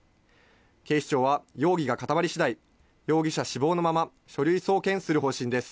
警視庁は容疑が固まり次第、容疑者死亡のまま書類送検する方針です。